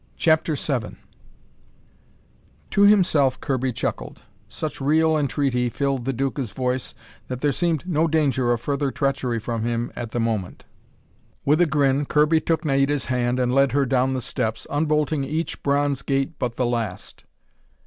CHAPTER VII To himself Kirby chuckled. Such real entreaty filled the Duca's voice that there seemed no danger of further treachery from him at the moment. With a grin, Kirby took Naida's hand and led her down the steps, unbolting each bronze gate but the last.